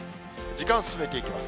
時間進めていきます。